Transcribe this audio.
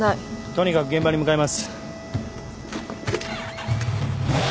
とにかく現場に向かいます。